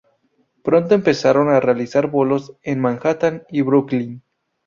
Pronto empezaron a realizar bolos en Manhattan y Brooklyn.